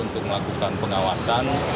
untuk melakukan pengawasan